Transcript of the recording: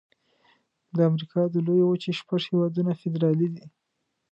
د امریکا د لویې وچې شپږ هيوادونه فدرالي دي.